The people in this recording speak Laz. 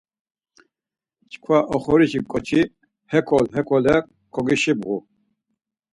Çkva oxorişi ǩoçi hekol hakole kogoşibğu.